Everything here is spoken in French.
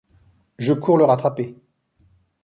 Je cours le rattraper.